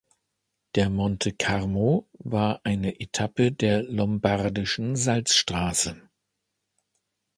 Der Monte Carmo war eine Etappe der Lombardischen Salzstraße.